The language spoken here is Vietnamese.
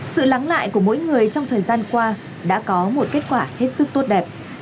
sự lắng lại của mỗi người trong thời gian qua đã có một kết quả hết sức tốt đẹp